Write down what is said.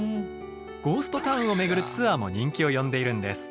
ゴーストタウンを巡るツアーも人気を呼んでいるんです。